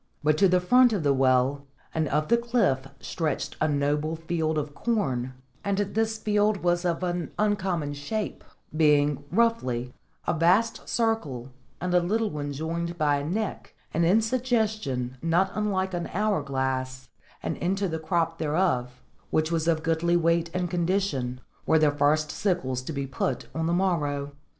But to the front of the well and of the cliff stretched a noble field of corn, and this field was of an uncommon shape, being, roughly, a vast circle and a little one joined by a neck and in suggestion not unlike an hour glass; and into the crop thereof, which was of goodly weight and condition, were the first sickles to be put on the morrow.